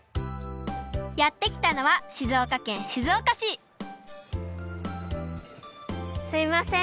やってきたのはすいません。